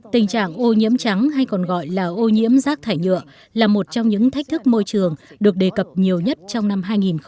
tình trạng ô nhiễm trắng hay còn gọi là ô nhiễm rác thải nhựa là một trong những thách thức môi trường được đề cập nhiều nhất trong năm hai nghìn một mươi tám